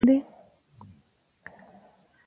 آیا پښتون یو تاریخ جوړونکی قوم نه دی؟